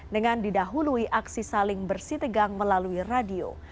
dengan didahului aksi saling bersitegang melalui radio